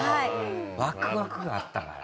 ワクワクがあったから。